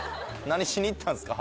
何しに行ったんですか？